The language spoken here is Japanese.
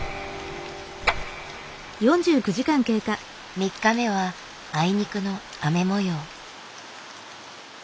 ３日目はあいにくの雨もよう。